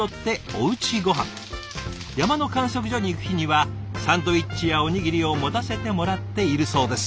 山の観測所に行く日にはサンドイッチやおにぎりを持たせてもらっているそうです。